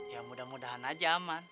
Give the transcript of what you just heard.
ya mudah mudahan aja aman